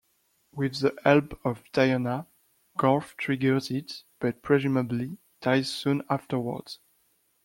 With the help of Diana, Garth triggers it, but presumably dies soon afterwards.